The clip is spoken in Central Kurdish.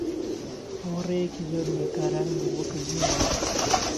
ئەوە ڕێیەکی زۆر نوێکارانە بوو بۆ کردنی ئەوە.